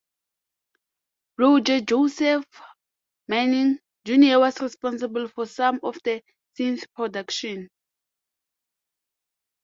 Roger Joseph Manning, Junior was responsible for some of the synth production.